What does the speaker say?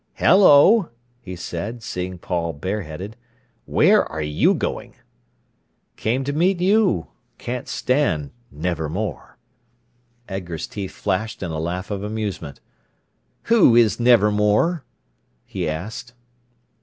"Hello!" he said, seeing Paul bareheaded. "Where are you going?" "Came to meet you. Can't stand 'Nevermore.'" Edgar's teeth flashed in a laugh of amusement. "Who is 'Nevermore'?" he asked.